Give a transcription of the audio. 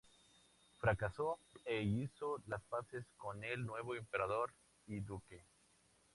Fracasó e hizo las paces con el nuevo emperador y duque.